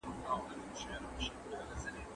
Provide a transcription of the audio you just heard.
دولت د بل پیاوړي قوم لخوا ماتیږي.